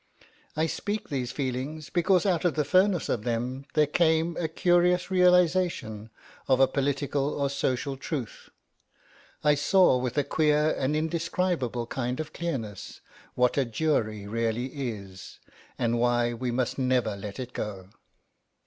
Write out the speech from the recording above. I speak these feelings because out of the furnace of them there came a curious realisation of a political or social truth. I saw with a queer and indescribable kind of clearness what a jury really is, and why we must never let it go.